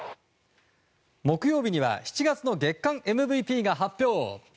木曜日には７月の月間ＭＶＰが発表。